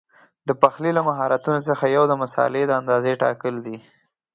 د پخلي له مهارتونو څخه یو د مسالې د اندازې ټاکل دي.